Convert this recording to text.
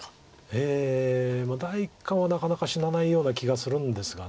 ええまあ第一感はなかなか死なないような気がするんですが。